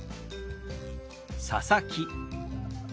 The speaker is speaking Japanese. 「佐々木」。